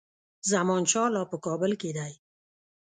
زمانشاه لا په کابل کې دی.